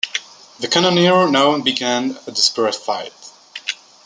The cannoneers now began a desperate fight.